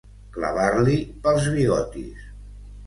Clavar-li pels bigotis.